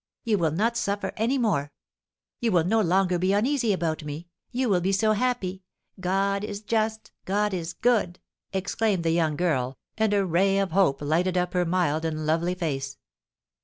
You will not suffer any more; you will no longer be uneasy about me, you will be so happy! God is just! God is good!" exclaimed the young girl, and a ray of hope lighted up her mild and lovely face.